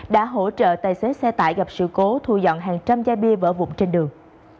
đã hỗ trợ tài xế xe tải gặp sự cố thu dọn hàng trăm chai bia vỡ vụn trên đường